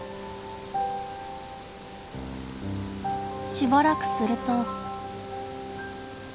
しばらくすると。